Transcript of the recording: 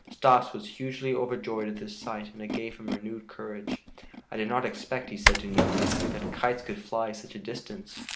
Stas was hugely overjoyed at this sight and it gave him renewed courage. "I did not expect," he said to Nell, "that kites could fly such a distance.